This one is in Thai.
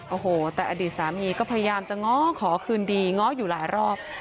โอ้โหแต่อดีตสามีก็พยายามจะง้อขอคืนดีง้ออยู่หลายรอบ